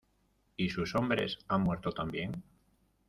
¿ y sus hombres han muerto también?